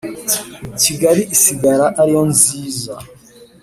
Kigali isigara ari yo nziza